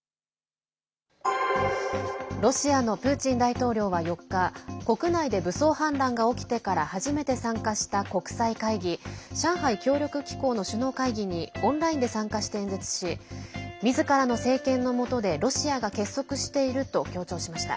ロシアのプーチン大統領は４日国内で武装反乱が起きてから初めて参加した国際会議上海協力機構の首脳会議にオンラインで参加して演説しみずからの政権のもとでロシアが結束していると強調しました。